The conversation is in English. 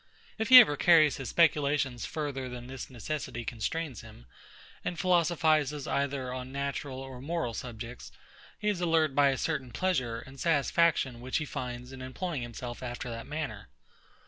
If he ever carries his speculations further than this necessity constrains him, and philosophises either on natural or moral subjects, he is allured by a certain pleasure and satisfaction which he finds in employing himself after that manner.